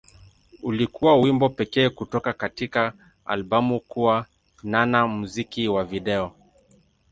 Ulikuwa wimbo pekee kutoka katika albamu kuwa na na muziki wa video.